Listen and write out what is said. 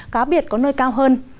cá biệt có nơi cao hơn